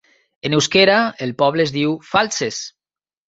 En eusquera, el poble es diu Faltzes.